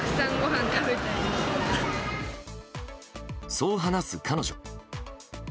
そう話す彼女。